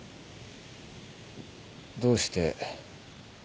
どうして。